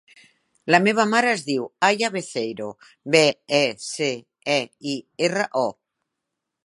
La meva mare es diu Aya Beceiro: be, e, ce, e, i, erra, o.